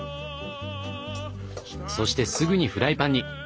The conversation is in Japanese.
そしてすぐにフライパンに。